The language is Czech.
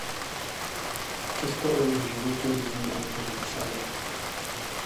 Přesto o jeho životě různí autoři psali.